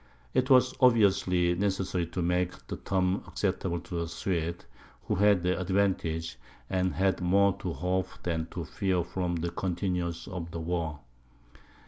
It was obviously necessary to make the terms acceptable to the Swedes, who had the advantage, and had more to hope than to fear from the continuance of the war.